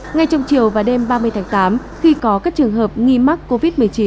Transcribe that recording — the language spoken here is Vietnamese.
ngay trong chiều và đêm ba mươi tháng tám khi có các trường hợp nghi mắc covid một mươi chín